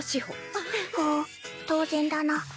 ほう当然だな。